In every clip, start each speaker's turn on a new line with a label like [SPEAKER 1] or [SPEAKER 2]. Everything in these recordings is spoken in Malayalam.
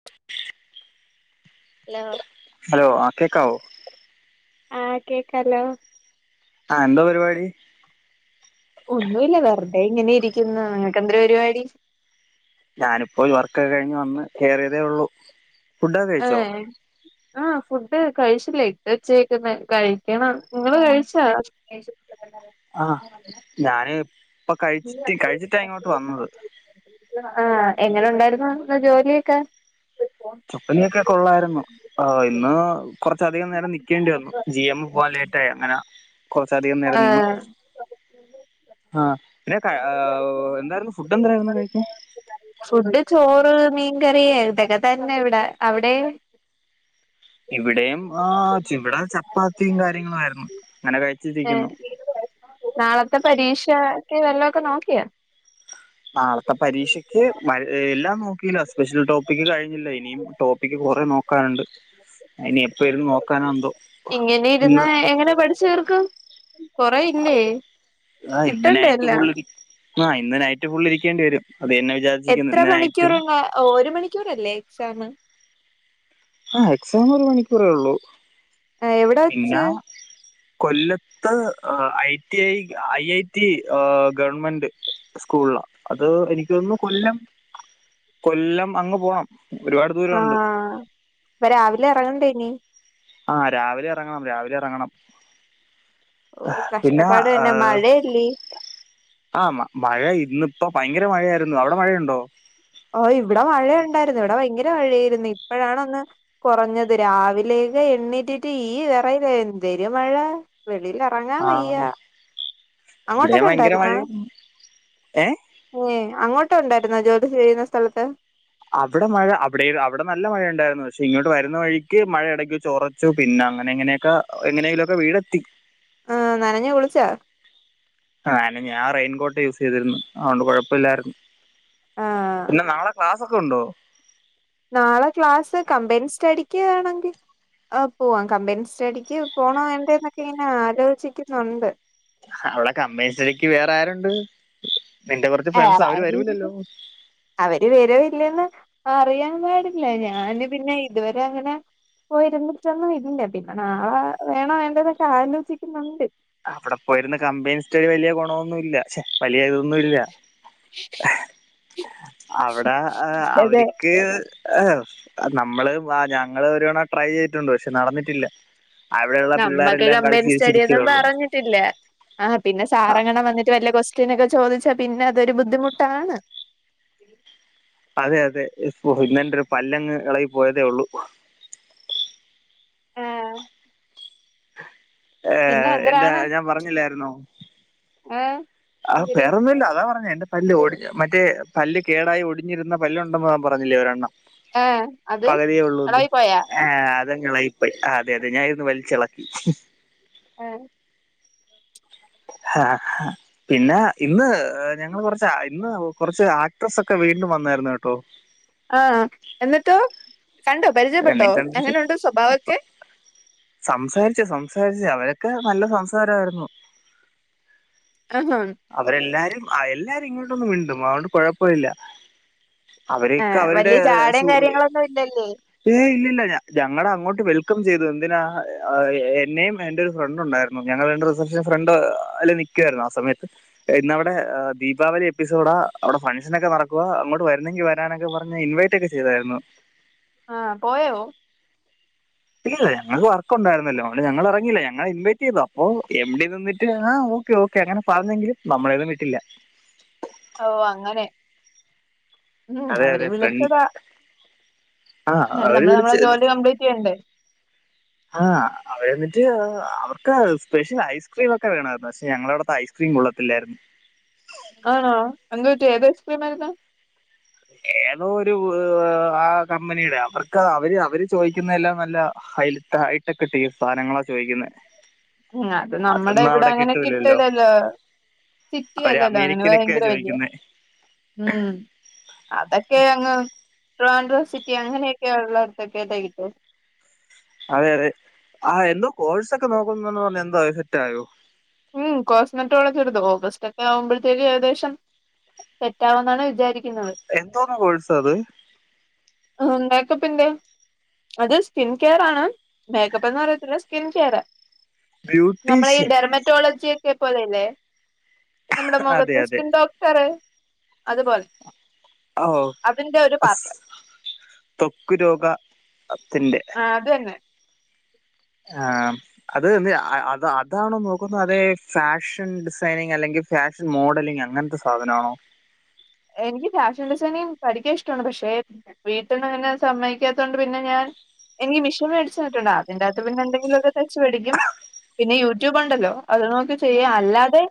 [SPEAKER 1] [unintelligible]
[SPEAKER 2] ലോ
[SPEAKER 1] ഹലോ ആ കേക്കാവോ?
[SPEAKER 2] ആഹ് കേക്കാലോ
[SPEAKER 1] ആഹ എന്താ പരിപാടി
[SPEAKER 2] ഒന്നുല്ല വെറുതെങ്ങനെ ഇരിക്കുന്നു നിങ്ങക്കെന്തൊരു പരിപാടി?
[SPEAKER 1] ഞാനിപ്പോ വർക്കൊക്കെ കഴിഞ്ഞ് വന്ന് കെയറിയതേ ഉള്ളു ഫുഡൊക്കെ കഴിച്ചോ?
[SPEAKER 2] ഏഹ് ആഹ് ഫുഡ് കഴിച്ചില്ലേ ഇട്ടച്ചേക്കന്ന് കഴിക്കണം നിങ്ങള് കഴിച്ചാ? [unintelligible]
[SPEAKER 1] ആഹ ഞാന് ഇപ്പ കഴിച്ചിട്ട് കഴിച്ചിട്ടാ ഇങ്ങോട്ട് വന്നത്
[SPEAKER 2] ആഹ് എങ്ങനെ ഉണ്ടായിരുന്ന ജോലിയൊക്കെ?
[SPEAKER 1] ചൊപ്പനിയൊക്കെ കൊള്ളായിരുന്നു ആ ഇന്ന് കുറച്ചധികം നേരം നിക്കേണ്ടി വന്നു ജി എം പോക ലേറ്റായി അങ്ങനെ കുറച്ചധികം നേരം നിന്ന്
[SPEAKER 2] ആഹ്
[SPEAKER 1] ആഹ് പിന്നെ എന്തായിരുന്നു ഫുഡ് എന്തായിരുന്നു കഴിക്ക?
[SPEAKER 2] ഫുഡ് ചോറ് മീൻകറിയ ഇതൊക്കെ തന്നെ ഇവിടെ അവിടെ
[SPEAKER 1] ഇവിടെയും ആഹ ഇവിടെ ചപ്പാത്തിയും കാര്യങ്ങളും ആയിരുന്നു അങ്ങനെ കഴ
[SPEAKER 2] ഏ നാളത്തെ പരീക്ഷക്ക് വല്ലൊക്കെ നോക്കിയാ?
[SPEAKER 1] നാളത്തെ പരീക്ഷയ്ക്ക് എല്ലാം നോക്കില്ല സ്പെഷ്യൽ ടോപ്പിക്ക് കഴിഞ്ഞില്ല ഇനിയും ടോപ്പിക്ക് കൊറെ നോക്കാനുണ്ട് ഇനി എപ്പ ഇരുന്ന നോക്കാനോ എന്തോ
[SPEAKER 2] ഇങ്ങനെ ഇരുന്ന
[SPEAKER 1] ഇന്ന്
[SPEAKER 2] എങ്ങനെ പഠിച്ചു തീർക്കും? കൊറേ ഇല്ലേ
[SPEAKER 1] ആഹ ഇന്ന്
[SPEAKER 2] കിട്ടണ്ടേ
[SPEAKER 1] നൈറ്റ്
[SPEAKER 2] എല്ലാം
[SPEAKER 1] ഫുള്ള നൈറ്റ് ആഹ ഫുള്ളിരിക്കേണ്ടി വരും അതന്നെ
[SPEAKER 2] എത്ര മണിക്കൂർ ഒരു മണിക്കൂറല്ലേ എക്സാം
[SPEAKER 1] ആഹ എക്സാം ഒരു മണിക്കൂറേ ഉള്ളൂ
[SPEAKER 2] എവിടെ
[SPEAKER 1] പിന്നെ
[SPEAKER 2] വെച്ച്
[SPEAKER 1] കൊല്ല ഇ I T I I I T I ആഹ ഗവൺമെന്റ് സ്കൂളില അത് എനിക്ക തോന്നുന്നു കൊല്ലം കൊല്ലം അങ്ങ് പോണം ഒരുപാട് ദൂരണ്ട്
[SPEAKER 2] ആഹ ഇപ്പ രാവിലെ ഇറങ്ങണ്ടേ ഇനി
[SPEAKER 1] ആഹ് രാവിലെ ഇറങ്ങണം രാവിലെ ഇറങ്ങണം
[SPEAKER 2] ഓ
[SPEAKER 1] പിന്നെ
[SPEAKER 2] കഷ്ടപ്പാട് തന്നെ
[SPEAKER 1] എഹ
[SPEAKER 2] മഴയല്ലേ
[SPEAKER 1] ആഹ് മഴ ഇന്നിപ്പോ ഭയങ്കര മഴയായിരുന്നു അവിടെ മഴയുണ്ടോ?
[SPEAKER 2] ഓ ഇവിടെ മഴ ഉണ്ടായിരുന്നു ഇവിടെ ഭയങ്കര മഴ ആയിരുന്നു ഇപ്പോഴാണ ഒന്ന് കുറഞ്ഞത് രാവിലെയക്കെ എണ്ണീറ്റിട്ട് ഈ വിറയില എന്തര മഴ വെളിയിലിറങ്ങാൻ വയ്യ
[SPEAKER 1] ഇവിടെ
[SPEAKER 2] അങ്ങോട്ടൊക്കെ
[SPEAKER 1] ഭയങ്കര മഴരുന്നു ഏഹ
[SPEAKER 2] ഏഹ അങ്ങോട്ടണ്ടായിരുന്നോ ജോലി ചെയ്യുന്ന സ്ഥലത്ത്
[SPEAKER 1] അവിടെ മഴ അവിടെ അവിടെ നല്ല മഴണ്ടായിരുന്നു പക്ഷെ ഇങ്ങോട്ട് വരുന്ന വഴിക്ക് മഴ ഇടയ്ക്ക് വെച്ച് ചോറാ പിന്നെ അങ്ങനെ എങ്ങനെയൊക്കെ എങ്ങനെങ്കിലുക്കെ വീടെത്തി
[SPEAKER 2] ആഹ നനഞ്ഞ കുളിച്ച
[SPEAKER 1] ആഹ ഞാൻ റെയിൻ കോട്ട് യൂസ് ചെയ്തിരുന്നു അതുകൊണ്ട് കുഴപ്പല്ലായിരുന്നു
[SPEAKER 2] ആഹ്
[SPEAKER 1] പിന്നെ നളെ ക്ലാസ് ഒക്കെ ഉണ്ടോ?
[SPEAKER 2] നാളെ ക്ലാസ് കമ്പൻ സ്റ്റഡിക്ക് വേണെങ്കിൽ ആ പോവാം കമ്പൻ സ്റ്റഡിക്ക് പോണ വേണ്ട എന്നൊക്കെ ഇങ്ങനെ ആലോചിക്കുന്നുണ്ട്
[SPEAKER 1] അവടെ കമ്പ്ലൈന്റ് സ്റ്റഡിക്ക് വേറെ ആരുണ്ട് നിന്റെ കുറച്ച് ഫ്രണ്ട്സ് അവര്
[SPEAKER 2] ആരായാലും
[SPEAKER 1] വരുല്ലല്ലോ
[SPEAKER 2] അവര് വരവില്ലെന്ന് അറിയൻ പാടില്ല ഞാന് പിന്നെ ഇതുവരെ അങ്ങനെ പോയി ഇരുന്നിട്ട് ഒന്നും ഇല്ലാ പിന്നെ നാളെ വേണോ വേണ്ടതൊക്കെ ആലോചിക്കുന്നുണ്ട്
[SPEAKER 1] അവിടെ പോയിരുന്ന കംബൈൻ സ്റ്റഡി വലിയ ഗുണമൊന്നും ഇല്ല പക്ഷെ വലിയ ഇതൊന്നും ഇല്ല അവിടെ
[SPEAKER 2] അതെ
[SPEAKER 1] അവരിക്ക് ഏഹ നമ്മള് ആഹ ഞങ്ങള് ഒരുതവണ ട്രൈ ചെയ്തിട്ടുണ്ട് പക്ഷെ നടന്നിട്ടില്ല അവിടെയുള്ള പിള്ളേരെല്ലാം കളിച്ച്ച്ചിരിച്ചക്കയള്ളൂ
[SPEAKER 2] ല്ല ആഹ പിന്നെ സാറങ്ങണം വന്നിട്ട് വല ക്വസ്റ്റ്യൻ ഒക്കെ ചോദിച്ചാ പിന്നെ അതൊരു ബുദ്ധിമുട്ടാണ്
[SPEAKER 1] അതെ അതെ ഇന്നന്റെ ഒരു പല്ലങ്ങ് ഇളകി പോയതേ ഉള്ളൂ
[SPEAKER 2] ആഹ
[SPEAKER 1] ഏ
[SPEAKER 2] പിന്നെ
[SPEAKER 1] എന്റെ
[SPEAKER 2] എന്തരാണ്
[SPEAKER 1] ഞാൻ പറഞ്ഞില്ലായിരുന്നോ?
[SPEAKER 2] ഏഹ്
[SPEAKER 1] ആ
[SPEAKER 2] എന്തര്
[SPEAKER 1] പേറൊന്നുമല്ല അതാ പറഞ്ഞ എന്റെ.. പല്ല് ഒടി മറ്റേ പല്ല് കേടായി ഒടിഞ്ഞിരുന്ന പല്ലുണ്ടെന്ന് പറഞ്ഞില്ലേ ഒരെണ്ണം
[SPEAKER 2] ഏഹ് അത്
[SPEAKER 1] പകതിയേ ഉള്ളൂയെന്നു..
[SPEAKER 2] എളായി പോയാ
[SPEAKER 1] ആഹ അതങ്ങ് യിലകിപോയി അതെ അതെ ഞാൻ ഇരുന്ന് വലിച്ചിളക്കി.
[SPEAKER 2] ആര്?
[SPEAKER 1] ആഹ് ഹ പിന്നെ ഇന്ന് ഞങ്ങൾ കുറച്ച് ഇന്ന് കുറച്ച് ആക്ട്രസ്സ് ഒക്കെ വീണ്ടും വന്നായിരുന്നു കേട്ടോ?
[SPEAKER 2] ആഹ് എന്നിട്ട് കണ്ടോ പരിചയപ്പെട്ടോ
[SPEAKER 1] എന്നിട്ട്
[SPEAKER 2] എങ്ങനെുണ്ട് സ്വഭാവൊക്കെ?
[SPEAKER 1] സംസാരിച്ച സംസാരിച്ച അവരൊക്കെ നല്ല സംസാരമായിരുന്നു.
[SPEAKER 2] ആഹ്.
[SPEAKER 1] അവരെല്ലാരും അ എല്ലാരും ഇങ്ങോട്ടൊന്നും മിണ്ടും അകൊണ്ട് കൊഴപ്പമില്ല അവരക്കെ അവരുടെ സുഖ
[SPEAKER 2] ഇപ്പോ ഇല്ലല്ലേ..
[SPEAKER 1] ഏഹ ഇല്ല ഇല്ല ഞ ഞങ്ങള അങ്ങോട്ട് വെൽക്കം ചെയ്തു എന്തിനാ അ എന്നെയയും എന്റെ ഒരു ഫ്രണ്ട് ഉണ്ടായിരുന്നു.. ഞങ്ങൾ എന്റെ റിസപ്ഷൻ ഫ്രണ്ട് അല്ല നിൽക്കുയിരുന്നു ആ സമയത്ത് ഇന്ന അവിടെ ദീപാവലി എപ്പിസോഡാ അവിടെ ഫംങ്ഷൻ ഒക്കെ നടക്കുവ അങ്ങോട്ട് വരുന്നെങ്കിൽ വരാനൊക്കെ പറഞ്ഞ ഇൻവൈറ്റ് ഇൻവൈറ്റ് ചെയ്താരുന്നു
[SPEAKER 2] ആ പോയോ..
[SPEAKER 1] ഇല്ല ഞങ്ങൾക്ക് വർക്കണ്ടായിരുന്നല്ലോ അങ്ങനെ ഞങ്ങൾ ഇറങ്ങയില്ല ഞങ്ങൾ ഇൻവൈറ്റ് ചെയ്തു അപ്പോ എംഡി നിന്നിട്ട് ആഓ ഓക്കെഒക്കെ അങ്ങനെ പറഞ്ഞെങ്കിലും നമ്മളേന്നും കിട്ടില്ല
[SPEAKER 2] ഓ അങ്ങനെ ഉം
[SPEAKER 1] അതെ
[SPEAKER 2] അവര്
[SPEAKER 1] അതെ ഫ്രണ്ട്
[SPEAKER 2] വിളിച്ചതാ
[SPEAKER 1] ആ
[SPEAKER 2] എന്നാലും
[SPEAKER 1] അവര്
[SPEAKER 2] നമ്മള് നമ്മള
[SPEAKER 1] വിളിച്ച്
[SPEAKER 2] ജോലി കംപ്ലീറ്റ് ഒക്കെയുണ്ട്..
[SPEAKER 1] ആഹ് അവടെ എന്നിട്ട് അവർക്ക് സ്പെഷ്യൽ ഐസ്ക്രീം ഒക്കെ വേണമായിരുന്നു പക്ഷെ ഞങ്ങള അടുത്തെ ഐസ് സ്ക്രീം കൊള്ളത്തില്ലായിരുന്നു.
[SPEAKER 2] ആണ എന്തുപറ്റി ഏത് ഐസ്ക്രീം ആരിന്ന്?
[SPEAKER 1] ഏതോ ഒരു ആ കമ്പനിയുടെ അവർക്ക് അവര് അവര് ചോദിക്കുന്നതെല്ലാം നല്ല ഹൈൽട്ട ഹൈട്ടൊക്കെ ഇട്ട്ഈ സാധനങ്ങളാ ചോയിക്കുന്നേ.
[SPEAKER 2] ഉം അത് നമ്മുടെ ഇവിടെ അങ്ങനെ
[SPEAKER 1] കിട്ടൂലല്ലോ
[SPEAKER 2] കിട്ടലല്ലോ? സിറ്റി
[SPEAKER 1] അവര്
[SPEAKER 2] അല്ലല്ലോ അങ്ങനെ
[SPEAKER 1] അമേരിക്കനൊക്കെയാ
[SPEAKER 2] ഭയങ്കര വലിയ
[SPEAKER 1] ചോദിക്കുന്നത്
[SPEAKER 2] ഉം. അതൊക്കെ അങ്ങ് ട്രിവാൻഡ്രം സിറ്റി അങ്ങനെയൊക്കെയ ഒള്ളടത്തൊക്കെ ത്ട്ടു.
[SPEAKER 1] അതെ അതെ ആ എന്തോ കോഴ്സ് ഒക്കെ നോക്കുന്നുന്ന് പറഞ്ഞു എന്തോയി സെറ്റായോ?
[SPEAKER 2] ഉം കോസ്മെറ്റ്ള്ളോളജിഎടുത്തു. ഓഗസ്റ്റ് ഒക്കെ ആവുമ്പോഴത്തേക്ക് ഏകദേശം. സെറ്റാവെന്നാണ് വിചാരിക്കുന്നത്.
[SPEAKER 1] എന്തോന്ന് കോഴ്സാത്?
[SPEAKER 2] ഉം മേക്കപ്പിന്റേ അത് സ്കിൻ കെയർ ആണ് മേക്കപ്പ് എന്ന് പറയത്തില്ല സ്കിൻ കെയറ്. നമ്മള ഈ
[SPEAKER 1] ബ്യൂട്ടീഷ്യൻ
[SPEAKER 2] ഡെർമറ്റോളജി ഒക്കെ പോലെല്ലേ? നമ്മുടെ
[SPEAKER 1] അതെ
[SPEAKER 2] മൊഖത്ത് സ്കിൻ ഡോക്ടറ്.
[SPEAKER 1] ഓഹ്
[SPEAKER 2] അതിന്റെ ഒരു പാർട്ട്
[SPEAKER 1] ത്വക്കു രോഗത്തിൻ്റെ.
[SPEAKER 2] ആഹ അത് ന്നെ.
[SPEAKER 1] ആഹ് അത് ന്നേ അതാണോ നോക്കുന്നത് അതെ ഫാഷൻ ഡിസൈനിങ് അല്ലെങ്കിൽ ഫാഷൻ മോഡലിംഗ് അങ്ങനത്തെ സാധനം ആണോ?
[SPEAKER 2] എനിക്ക് ഫാഷൻ ഡിസൈനിനങ്ങ്‌ പഠിക്കാൻ ഇഷ്ടിണ് പക്ഷെ. വീട്ട് ന്നങ്ങനെ സമ്മയിക്കാത്തോണ്ട് പിന്നെ ഞാൻ. എനിക്ക് മിഷൻ മേടിച്ചിട്ടു തന്നിട്ടുണ്ട് അതിന്റെറകത്ത് പിന്നെ എന്തെലൊക്കെ തയ്ച്ച് പഠിക്കും. പിന്നെ യൂട്യൂബ് ഉണ്ടല്ലോ അത് നോക്കി ചെയ്യാ അല്ലാതെ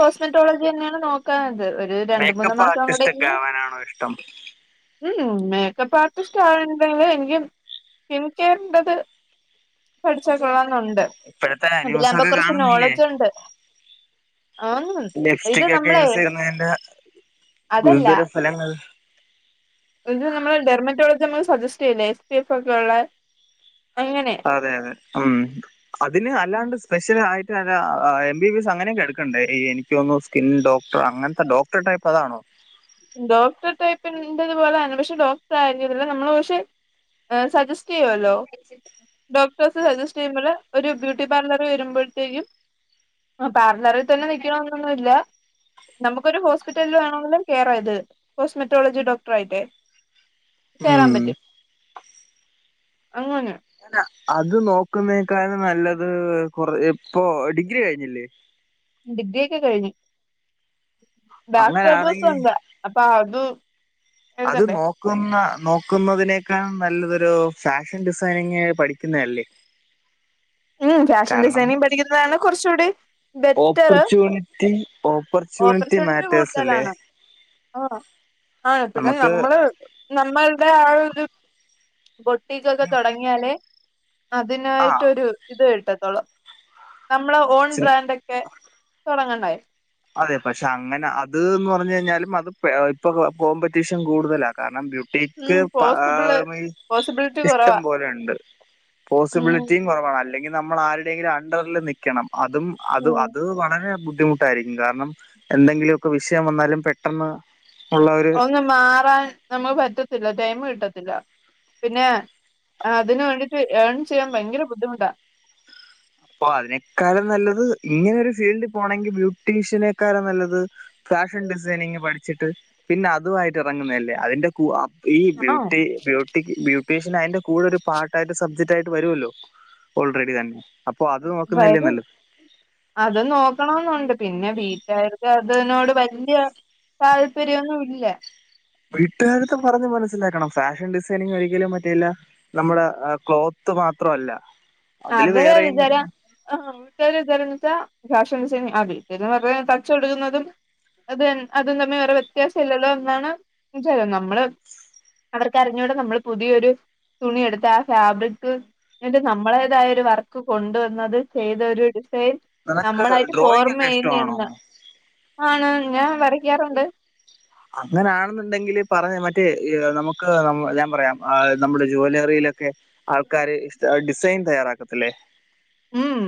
[SPEAKER 2] കോസ്മെറ്റോളജി തന്നെയാണ് നോക്കാത് ഒരു രണ്ട് മൂന്ന് മാസം കൂടെ
[SPEAKER 1] [unintelligible]
[SPEAKER 2] ഇനി
[SPEAKER 1] ആവാനാണോ ഇഷ്ടം?
[SPEAKER 2] ഉം മേക്കപ്പ് ആർട്ടിസ്റ്റ് ആണണ്ടെങ്കിൽ എനിക്ക് സ്കിം കെയറിന്റെ ത്. പഠിച്ച കൊള്ളന്നുണ്ട്
[SPEAKER 1] ഇപ്പോഴത്തെ
[SPEAKER 2] അതിലാവകുമ്പോ
[SPEAKER 1] ന്യൂസൊക്കെ
[SPEAKER 2] കുറച്ച്
[SPEAKER 1] കാണുന്നില്ലേ
[SPEAKER 2] നോളജ്ജുണ്ട്. ആന്ന്ഇത്
[SPEAKER 1] ലിപ്സ്റ്റിക് ഒക്കെ
[SPEAKER 2] നമ്മളെ
[SPEAKER 1] യൂസ് ചെയ്യുന്നതിന്റെ
[SPEAKER 2] അതല്ല
[SPEAKER 1] ഗുരുതര ഫലങ്ങൾ.
[SPEAKER 2] ഇ നമ്മള് ഡെർമറ്റോളജി നമ്മുക്ക് സജസ്റ്റ് ചെയ്ല്ല എസ് പി എഫ് ഒക്കെ ഉള്ള അങ്ങനെ.
[SPEAKER 1] അതെ അതെ ഉം അതിന് അല്ലാണ്ട് സ്പെഷ്യൽ ആയിട്ട്ല്ല എം ബി ബി എസ് അങ്ങനെയൊക്കെ എടുക്കണ്ടേ എനി [unintelligible] സ്കിൻ ഡോക്ടർ അങ്ങനത്തെ ഡോക്ടർടൈപ്പ് അതാണോ?
[SPEAKER 2] ഡോക്ടർ ടൈപ്പിന്റെത് പോലൊണ് പക്ഷെ ഡോക്ടർ ആയില്ല നമ്മള് പക്ഷെ. സജസ്റ്റ് ചെയ്യല്ലോ. ഡോക്ടേഴ്സ് സജസ്റ്റ് ചെയ്യുമ്പോൾ ഒരു ബ്യൂട്ടി പാർലർ വരുമ്പോഴത്തേക്കും. ആ പാർലറിൽ തന്നെ നിൽക്കണന്നൊന്നുംല്ല നമുക്കൊരു ഹോസ്പിറ്റലിൽ വേണമെങ്കിലും. കേറാ ഇത് കേറാകോസ്മറ്റോളജി ഡോക്ടർ ആയിട്ട് കേയറാൻ
[SPEAKER 1] ഉം
[SPEAKER 2] പറ്റും. അങ്ങനെ.
[SPEAKER 1] അനെ അത് നോക്കുന്നേക്കാളും നല്ലത് കൊറ ഇപ്പൊ ഡിഗ്രി കഴിഞ്ഞില്ലേ?
[SPEAKER 2] ഡിഗ്രിയൊക്കെ കഴിഞ്ഞു ബാക്പേപ്പേഴ്സ്
[SPEAKER 1] അങ്ങനാണെങ്കിൽ
[SPEAKER 2] ഒണ്ട് അപ്പൊ അത്
[SPEAKER 1] അത്
[SPEAKER 2] എഴുതണ്ടേ
[SPEAKER 1] നോക്ക നോക്കുന്ന നോക്കുന്നതിനേക്കാൾ നല്ലതൊരു ഫാഷൻ ഡിസൈനിങ് പഠിക്കുന്നതല്ലേ?
[SPEAKER 2] ഉം ഫാഷൻ
[SPEAKER 1] കാരണം
[SPEAKER 2] ഡിസൈനിങ് പഠിക്കുന്നതാണ് കുറച്ചുകൂടി ബെറ്ററ്.
[SPEAKER 1] ഓപ്പർച്യൂണിറ്റി
[SPEAKER 2] ഓപ്പർച്യൂണിറ്റി
[SPEAKER 1] മാറ്റേഴ്സ് അല്ലേ
[SPEAKER 2] കൂടുതലാണ് ആ ആ പിന്നെ
[SPEAKER 1] നമുക്ക്
[SPEAKER 2] നമ്മള്. നമ്മളുടെ ആ ഒരു ബൊട്ടിക്കൊക്കെ തുടങ്ങിയാലേ? അതിനായിട്ടൊരു ഇത് കിട്ടത്തൊളു നമ്മളെ ഓൺ
[SPEAKER 1] ആഹ്
[SPEAKER 2] ബ്രാൻഡ ഒക്കെ തുടങ്ങണ്ടായി.
[SPEAKER 1] അതെ പക്ഷെ അങ്ങനെ അത്ന്ന് പറഞ്ഞു കഴിഞ്ഞാലും അത് ഇപ്പൊ കോമ്പറ്റീഷൻ കൂടുതലാ കാരണം.
[SPEAKER 2] ഉം
[SPEAKER 1] ഡിക്ക്
[SPEAKER 2] പോസിബിള്
[SPEAKER 1] പമ
[SPEAKER 2] പോസിബിലിറ്റി
[SPEAKER 1] ഇഷ്ടം
[SPEAKER 2] കൊറവാ
[SPEAKER 1] പോലെയുണ്ട്.
[SPEAKER 2] ഉം
[SPEAKER 1] പോസിബിലിറ്റിയും കുറവാണ് അല്ലെങ്കിൽ നമ്മൾ ആരുടെങ്കിലും അണ്ടറിൽ നിക് ണം അതും അത്
[SPEAKER 2] ഉം
[SPEAKER 1] അത് വളരെ ബുദ്ധിമുട്ട് കാരണം എന്തെങ്കിലുമൊക്കെ വിഷയം വന്നാലും പെട്ടെന്ന് ഉള്ള ഒരു
[SPEAKER 2] ഒന്നും മാറാൻ നമുക്ക് പറ്റത്തില്ല ടൈം കിട്ടത്തില്ല. പിന്നെ അതിന് വേണ്ടിട്ട് ഏൺ ചെയ്യാൻ ഭയങ്കര ബുദ്ധിമുട്ടാ.
[SPEAKER 1] അപ്പൊ അതിനേക്കാളും നല്ലത് ഇങ്ങനെ ഒരു ഫീൽഡിൽ പോകണെങ്കിൽ ബ്യൂട്ടീഷ്യനെക്കാളും. നല്ലത് ഫാഷൻ ഡിസൈനിങ് പഠിച്ചിട്ട് പിന്നെ അതുമായിട്ട് ഇറങ്ങുന്നതല്ലേ അതിന്റെ കൂടെ ഈ
[SPEAKER 2] ആഹ്
[SPEAKER 1] ബ്യൂട്ടി. ബ്യൂട്ടി ബ്യൂട്ടീഷ്യൻ അതിന്റെ കൂടെ ഒരു പാർട്ടായിട്ട് സബ്ജക്ട് ആയിട്ട് വരുമല്ലോ ഓൾറെഡി തന്നെ. അപ്പൊ അത് നോക്കുന്നതല്ലേ
[SPEAKER 2] വരും
[SPEAKER 1] നല്ല
[SPEAKER 2] അത് നോക്കണെന്നുണ്ട് പിന്നെ വീട്ടുകാർക്ക് അതിനോട് വല്യ താല്പര്യമൊന്നും ഇല്ല
[SPEAKER 1] വീട്ടുകാരട്ത്ത് പറഞ്ഞ് മനസ്സിലാക്കണം ഫാഷൻ ഡിസൈനിങ് ഒരിക്കലും മറ്റേയില്ല നമ്മുടെ ക്ലോത്ത് മാത്രല്ല
[SPEAKER 2] അവര് വിച്ചാരം ആ വീട്ടാരെ വിചാരം എന്താന്ന് വെച്ചാ ഫാഷൻ ഡിസൈനിങ് ആ വീട്ടരേം പറയണേ തച്ചൊടുക്കുന്നതും അത് അതും തമ്മെ വേറെ വ്യത്യാസം ഇല്ലല്ലോ എന്നാണ് [unintelligible] നമ്മള് അവർക്കറിഞ്ഞൂടെ നമ്മൾ പുതിയൊരു തുണി എടുത്ത് ആ ഫാബ്രിക്ക്ന്റെ നമ്മളെ തായ ഒരു വർക്ക് കൊണ്ടുവന്നത് ചെയ്ത് ഒരു ഡിസൈൻ
[SPEAKER 1] നിനക്ക്
[SPEAKER 2] നമ്മളായിട്ട്
[SPEAKER 1] ഡ്രോയിങ് ഒക്കെ ഇഷ്ടമാണോ
[SPEAKER 2] ഫോർമെയ്യ്ന്ന് ആണ് ഞാൻ വരക്കാറുണ്ട്
[SPEAKER 1] അങ്ങനൊണെന്നുണ്ടെങ്കില് പറഞ്ഞ മറ്റേ നമുക്ക് ഞാൻ പറയാം നമ്മുടെ ജ്വാലറിയിലൊക്കെ ആൾക്കാര് ഇഷ് ഡിസൈൻ തയ്യാറാക്കത്തില്ലേ
[SPEAKER 2] ഉം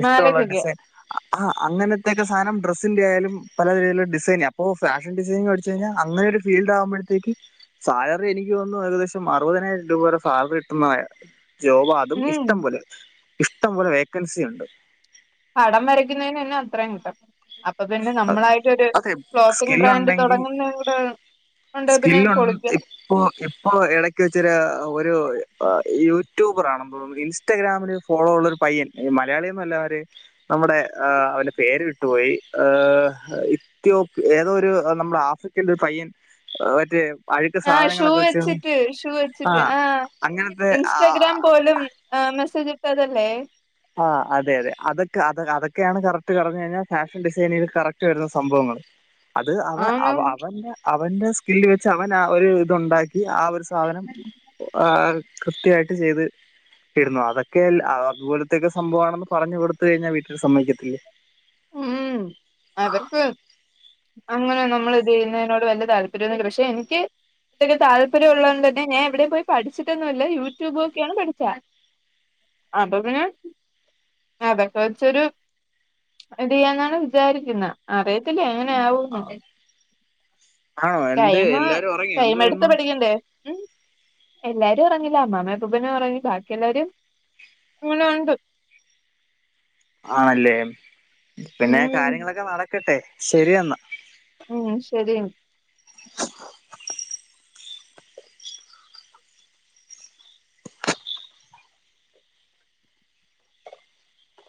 [SPEAKER 1] ഇഷ്ടമുള്ള
[SPEAKER 2] മാലക്കൊക്കെ
[SPEAKER 1] ഡിസൈൻ ആ അങ്ങനത്തെെയൊക്കെ സാധനം ഡ്രസ്സിന്റെറെ ആയാലും പലതീതിയിലുള്ള ഡിസൈൻ അപ്പോ ഫാഷ ഡിസൈനിങ് പഠിച്ച് കഴിഞ്ഞാ അങ്ങന ഒരു ഫീൽഡ് ആവുമ്പഴ്ത്തേക്ക് സാലറി എനിക്ക് തോന്നുന്നു ഏകദേശം അറുപതിനായിരം രൂപ വരെ സാലറി കിട്ടുന്നതാണ് ജോബ് അതും
[SPEAKER 2] ഉം
[SPEAKER 1] ഇഷ്ട്ടം പോലെ ഇഷ്ട്ടം പോലെ വേക്കൻസി ഉണ്ട്
[SPEAKER 2] പടം വരയ്ക്കുന്നതിന് തന്നെ അത്രയും കിട്ടും അപ്പൊ പിന്നെ നമ്മളായിട്ടൊരു
[SPEAKER 1] അതെ
[SPEAKER 2] ക്ലോത്തിങ് ബ്രാൻഡ് തുടങ്ങുന്ന കൂടെ. ഉണ്ട്
[SPEAKER 1] സ്കിൽ
[SPEAKER 2] പിന്നെ
[SPEAKER 1] ഒണ്ട്
[SPEAKER 2] പൊളിക്കാം
[SPEAKER 1] ഇപ്പോ ഇപ്പോ ഇടക്ക് വെച്ചോരു യൂട്യൂബറാണ അ ഇൻസ്റ്റാഗ്രാമില് ഫോളോ ഉള്ള ഒരു പയ്യൻ മലയാളിയൊന്നുംല്ല ഒര് നമ്മുടെ ആ അവന്റെ പേര് വിട്ടുപോയി ഹ ഇത്യോപ്യ ഏതോ ഒരു നമ്മുടെ ആഫ്രിക്കൽ ഒരു പയ്യൻ മറ്റേ അഴുക്ക
[SPEAKER 2] ആഹ് ഷൂ
[SPEAKER 1] സാധനങ്ങളൊക്കെ വെച്ച്
[SPEAKER 2] വെച്ചിട്ട് ഷൂ
[SPEAKER 1] ആ
[SPEAKER 2] വെച്ചിട്ട് ആഹ
[SPEAKER 1] അങ്ങനത്തെ ആ
[SPEAKER 2] ഇൻസ്റ്റഗ്രാം പോലും ആഹ് മെസേജ് ഇട്ടതല്ലേ
[SPEAKER 1] ആ അതെ അതെ അതൊക്കെ അ അതൊക്കെയാണ് കറക്റ്റ് പറഞ്ഞ കഴിഞ്ഞാൽ ഫാഷൻ ഡിസൈനിൽ കറക്റ്റ് വരുന്ന സംഭവങ്ങൾ അത് അവ
[SPEAKER 2] ആണ്
[SPEAKER 1] അവ അവന്റെ അവന്റെ സ്കില്ല് വെച്ച് അവൻ ആ ഒരു ഇതുണ്ടാക്കി ഈ ആ ഒരു സാധനം കൃത്യായിട്ട് ചെയ്ത് ഇടുന്നു അതൊക്കെല്ല അതുപോലെ തെക്കെ സംഭമാണെന്ന് പറഞ്ഞ് കൊടുത്ത് കഴിഞ്ഞാൽ വീട്ടിൽ സമ്മതിക്കത്തില്ലേ
[SPEAKER 2] മ് അവർക്ക് അങ്ങനെ നമ്മൾ ഇത് ചെയ്യുന്നതിനോട് വലിയ താല്പര്യംന്നില്ല പക്ഷെ എനിക്ക് ഇതോക്കെ താല്പര്യള്ളത് കൊണ്ട് തന്നെ ഞാൻ എവിടെ പോയി പഠിച്ചിട്ടൊന്നുല്ല യൂട്യൂബ് ഒക്കെയാണ് പഠിചേ ആ അപ്പൊ പിന്നെ അതോക്കെ വച്ചൊരു ഇത് ചെയ്യാന്നാണ് വിചാരിക്കുന്നെ അറിയത്തില്ല എങ്ങനെയാവും
[SPEAKER 1] ആണോ എന്ത്
[SPEAKER 2] ടൈംമ്
[SPEAKER 1] എല്ലാരും ഉറങ്ങിയോ
[SPEAKER 2] ടൈം എടുത്ത്
[SPEAKER 1] എന്തുവായിരുന്നു
[SPEAKER 2] പഠിക്കണ്ടേ ഉം എല്ലാരും ഉറങ്ങില്ല അമ്മാമ്മേം അപ്പാപ്പനും ഉറങ്ങി ബാക്കി എല്ലാവരും [unintelligible] ഉണ്ട്
[SPEAKER 1] ആണല്ലേ പിന്നെ
[SPEAKER 2] ഉം
[SPEAKER 1] കാര്യങ്ങളൊക്കെ നടക്കട്ടെ ശരിയെന്നാ
[SPEAKER 2] ഉം ശരി